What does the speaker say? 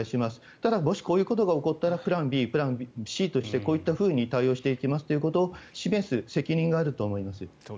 ただ、もしこういうことが起こったらプランＢ、プランＣとしてこういったふうに対応していきますということを示す責任があると思います。